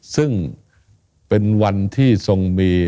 ซึ่งเป็นวันที่ทรงมี